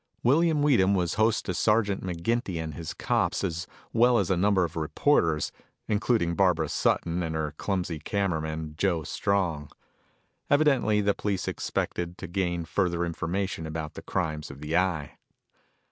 William Weedham was host to Sergeant McGinty and his cops as well as a number of reporters, including Barbara Sutton and her clumsy cameraman, Joe Strong. Evidently the police expected to gain further information about the crimes of the Eye.